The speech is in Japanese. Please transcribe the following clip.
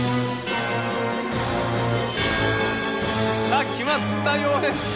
さあ決まったようです。